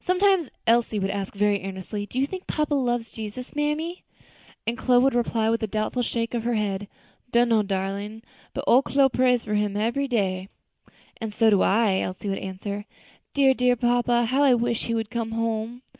Sometimes Elsie would ask very earnestly, "Do you thing papa loves Jesus, mammy?" And Chloe would reply with a doubtful shake of the head, "Dunno, darlin'; but ole Chloe prays for him ebery day." "And so do I," Elsie would answer; "dear, dear papa, how I wish he would come home!"